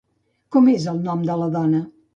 Com és el nom de la dona?